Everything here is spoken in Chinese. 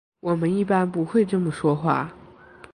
我们一般不会这么说话。